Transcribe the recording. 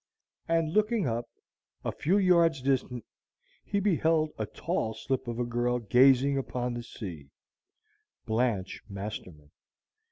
And, looking up, a few yards distant he beheld a tall slip of a girl gazing upon the sea, Blanche Masterman.